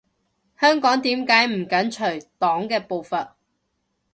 香港點解唔緊隨黨嘅步伐？